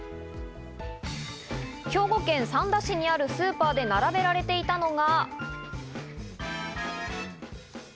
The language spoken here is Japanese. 兵庫県三田市にあるスーパーで並べられていたのが。